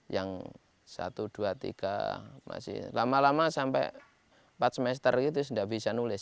yang satu dua tiga masih lama lama sampai empat semester gitu nggak bisa nulis